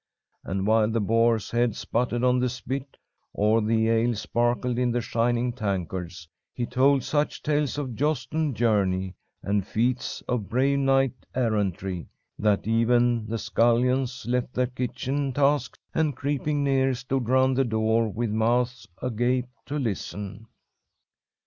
And while the boar's head sputtered on the spit, or the ale sparkled in the shining tankards, he told such tales of joust and journey, and feats of brave knight errantry, that even the scullions left their kitchen tasks, and, creeping near, stood round the door with mouths agape to listen.